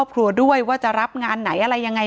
ถ้าใครอยากรู้ว่าลุงพลมีโปรแกรมทำอะไรที่ไหนยังไง